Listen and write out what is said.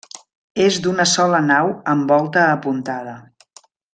És d'una sola nau amb volta apuntada.